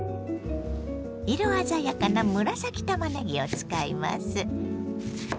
色鮮やかな紫たまねぎを使います。